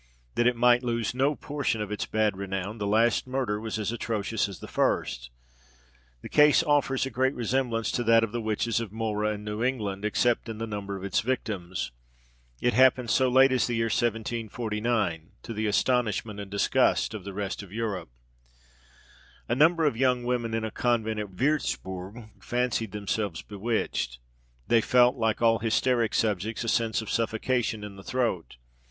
That it might lose no portion of its bad renown, the last murder was as atrocious as the first. This case offers a great resemblance to that of the witches of Mohra and New England, except in the number of its victims. It happened so late as the year 1749, to the astonishment and disgust of the rest of Europe. [Illustration: VIEW IN WÜRZBURG.] A number of young women in a convent at Würzburg fancied themselves bewitched; they felt, like all hysteric subjects, a sense of suffocation in the throat.